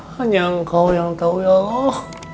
hanya engkau yang tahu ya allah